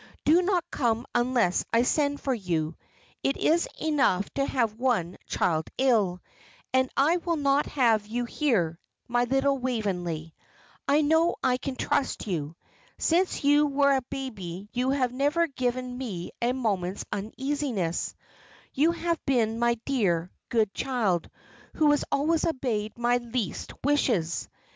Do not come unless I send for you; it is enough to have one child ill, and I will not have you here, my little Waveney. I know I can trust you. Since you were a baby you have never given me a moment's uneasiness you have been my dear, good child, who has always obeyed my least wishes.